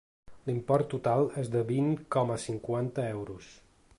L'import total és de vint coma cinquanta euros.